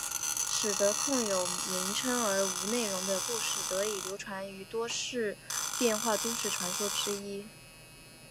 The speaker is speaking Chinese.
使得空有名称而无内容的故事得以流传于世多年变成都市传说之一。